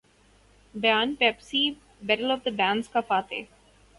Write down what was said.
بیان Pepsi Battle of the Bands کا فاتح